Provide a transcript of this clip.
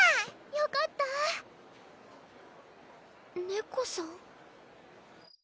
よかったネコさん？